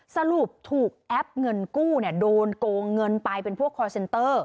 สรุปถูกแอปเงินกู้โดนโกงเงินไปเป็นพวกคอร์เซนเตอร์